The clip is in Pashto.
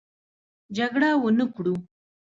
جګړه ونه کړو.